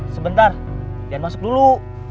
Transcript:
sebentar jangan masuk dulu